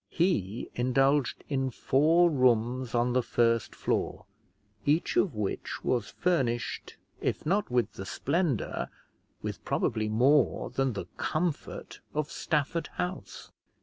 He indulged in four rooms on the first floor, each of which was furnished, if not with the splendour, with probably more than the comfort of Stafford House.